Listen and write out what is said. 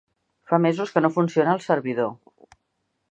Fa mesos que no funciona el servidor.